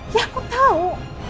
ya aku tau